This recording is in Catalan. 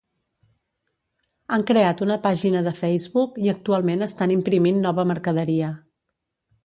Han creat una pàgina de Facebook i actualment estan imprimint nova mercaderia.